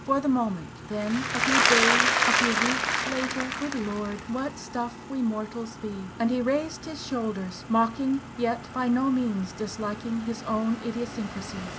For the moment! then a few days, a few weeks later Good Lord! what stuff we mortals be!" And he raised his shoulders, mocking, yet by no means disliking his own idiosyncrasies.